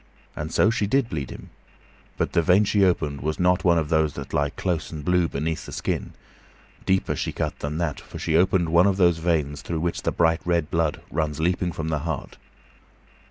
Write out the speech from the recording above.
And so she did bleed him, but the vein she opened was not one of those that lie close and blue beneath the skin; deeper she cut than that, for she opened one of those veins through which the bright red blood runs leaping from the heart.